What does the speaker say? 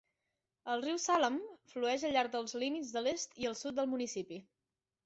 El riu Salem flueix al llarg dels límits de l'est i el sud del municipi.